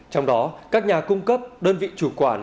trong đó các nhà cung cấp đơn vị chủ quản